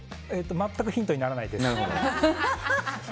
全くヒントにならないです。